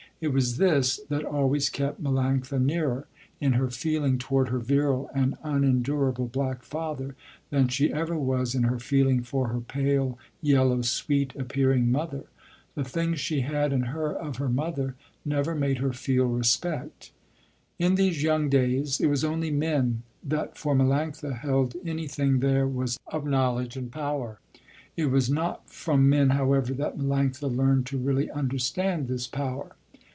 It was this that always kept Melanctha nearer, in her feeling toward her virile and unendurable black father, than she ever was in her feeling for her pale yellow, sweet appearing mother. The things she had in her of her mother, never made her feel respect. In these young days, it was only men that for Melanctha held anything there was of knowledge and power. It was not from men however that Melanctha learned to really understand this power.